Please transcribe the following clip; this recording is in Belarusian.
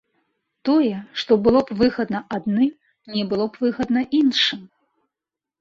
Тое, што было б выгадна адным, не было б выгадна іншым.